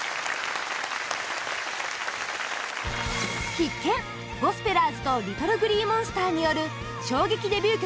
必見、ゴスペラーズとＬｉｔｔｌｅＧｌｅｅＭｏｎｓｔｅｒによる衝撃デビュー曲